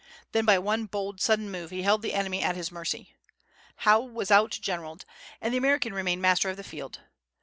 Then by one bold, sudden move he held the enemy at his mercy. Howe was out generalled, and the American remained master of the field.